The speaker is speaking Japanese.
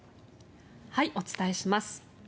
お伝えします。